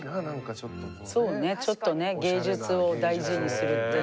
ちょっとね芸術を大事にするっていう。